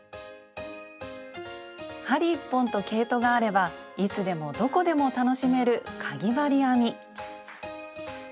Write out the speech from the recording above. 針１本と毛糸があればいつでもどこでも楽しめる「かぎ針編み」。